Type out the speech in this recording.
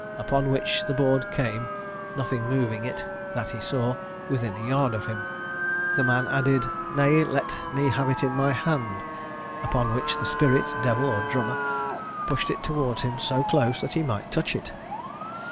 Upon which the board came (nothing moving it, that he saw) within a yard of him. The man added, 'Nay, let me have it in my hand;' upon which the spirit, devil, or drummer, pushed it towards him so close, that he might touch it.